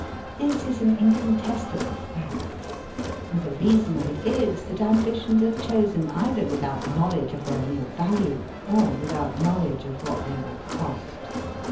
This is an incontestable fact, and the reason of it is that ambitions are chosen either without knowledge of their real value or without knowledge of what they will cost.